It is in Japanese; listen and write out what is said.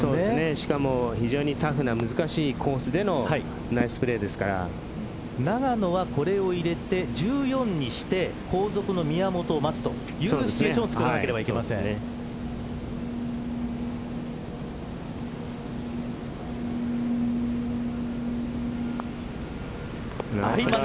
しかも非常にタフな難しいコースでの永野はこれを入れて１４にして後続の宮本を待つというシチュエーションを作らなければいけません。